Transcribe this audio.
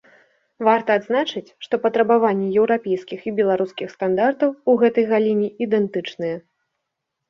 Варта адзначыць, што патрабаванні еўрапейскіх і беларускіх стандартаў у гэтай галіне ідэнтычныя.